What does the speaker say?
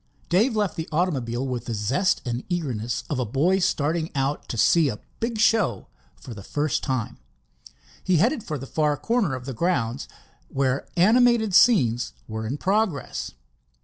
Dave left the automobile with the zest and eagerness of a boy starting out to see a big show for the first time. He headed for the far corner of the grounds where animated scenes were in progress.